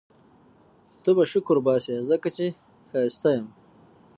ته به شکرباسې ځکه چي ښایسته یم